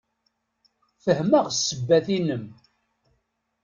Fehmeɣ ssebbat-inem.